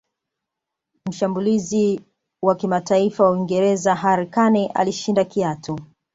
mshambulizi wa kimataifa wa uingereza harry kane alishinda kiatu